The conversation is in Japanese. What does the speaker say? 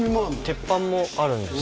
鉄板もあるんです